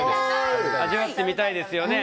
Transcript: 味わってみたいですよね。